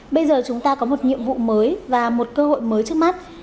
bây giờ chúng ta có một nhiệm vụ mới và một cơ hội mới trước mắt